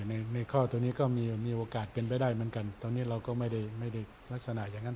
ในในข้อตัวนี้ก็มีโอกาสเป็นไปได้เหมือนกันตอนนี้เราก็ไม่ได้ไม่ได้ลักษณะอย่างนั้น